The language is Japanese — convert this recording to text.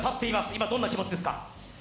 今、どんな気持ちですか？